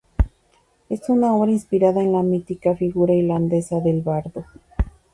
Es una obra inspirada en la mítica figura irlandesa del bardo.